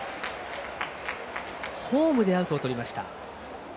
ホームでアウトをとりました。